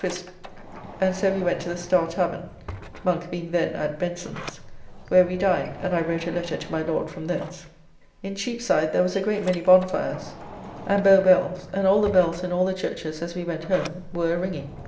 Crisp, and so we went to the Star Tavern (Monk being then at Benson's), where we dined and I wrote a letter to my Lord from thence. In Cheapside there was a great many bonfires, and Bow bells and all the bells in all the churches as we went home were a ringing.